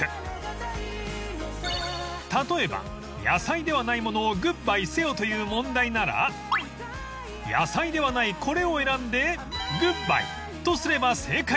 例えば野菜ではないものをグッバイせよという問題なら野菜ではないこれを選んでグッバイとすれば正解